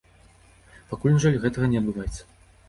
Пакуль, на жаль, гэтага не адбываецца.